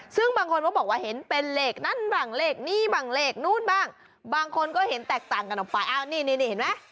ซึ่งบางคนก็บอกว่าเห็นเป็นเลขนั้นบ้างเลขนี้บ้างเลขนู้นบ้างบางคนก็เห็นแตกต่างกันออกไปอ้าวนี่นี่เห็นไหม